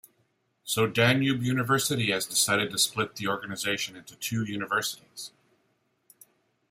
So Danube University has decided to split the organisation into two universities.